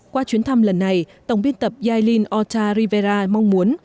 qua chuyến thăm lần này tổng biên tập jailin ota rivera mong muốn